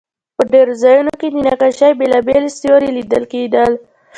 په ډېرو ځایونو کې د نقاشۍ بېلابېل سیوري لیدل کېدل.